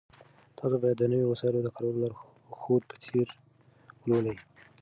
تاسو باید د نويو وسایلو د کارولو لارښود په ځیر ولولئ.